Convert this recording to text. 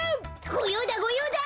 ごようだごようだ！